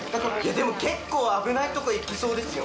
でも結構危ないとこ行きそうですよ。